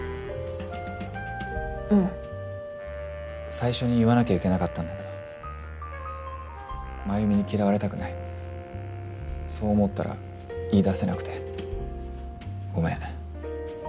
最初に言わなきゃいけなかったんだけど繭美に嫌われたくないそう思ったら言い出せなくてごめん。